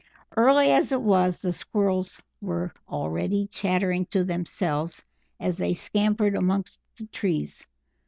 Early as it was, the Squirrels were already chattering to themselves as they scampered amongst the trees.